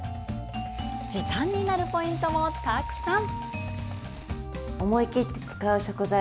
時短になるポイントもたくさん！